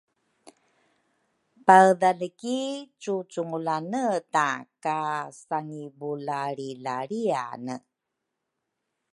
Paedhale ki cucungulane ta ka sangibulalrilalriane